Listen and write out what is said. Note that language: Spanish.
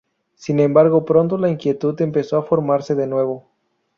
Sin embargo, pronto la inquietud empezó a formarse de nuevo.